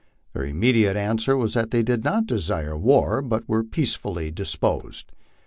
Their immediate answer was that they did not desire war, but were peacefully disposed.